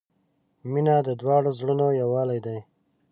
• مینه د دواړو زړونو یووالی دی.